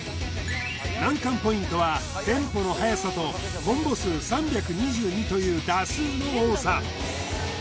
難関ポイントはテンポの速さとコンボ数３２２という打数の多さ